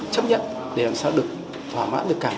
chấp nhận để làm sao được thỏa mãn được cả